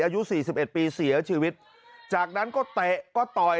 อายุสี่สิบเอ็ดปีเสียชีวิตจากนั้นก็เตะก็ต่อย